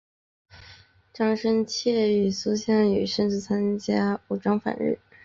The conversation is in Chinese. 张深切与苏芗雨甚至参加武装反日。